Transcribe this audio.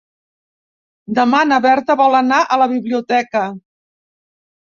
Demà na Berta vol anar a la biblioteca.